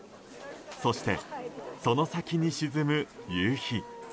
そして、その先に沈む夕日。